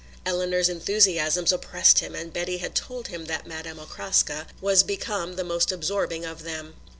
Eleanor's enthusiasms oppressed him and Betty had told him that Madame Okraska was become the most absorbing of them.